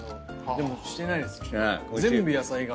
でもしてないです。